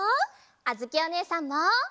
あづきおねえさんも！